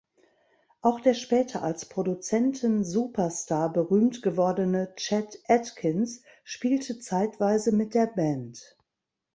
Auch der später als Produzenten-Superstar berühmt gewordene Chet Atkins spielte zeitweise mit der Band.